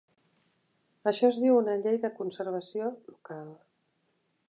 Això es diu una llei de "conservació local".